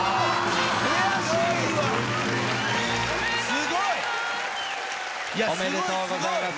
すごい。おめでとうございます。